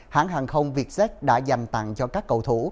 hãng hàng không vietjet đã dành tặng cho các cầu thủ